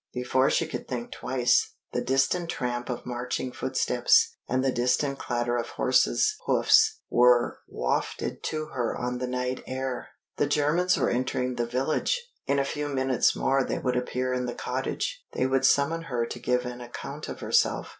Before she could think twice, the distant tramp of marching footsteps and the distant clatter of horses' hoofs were wafted to her on the night air. The Germans were entering the village! In a few minutes more they would appear in the cottage; they would summon her to give an account of herself.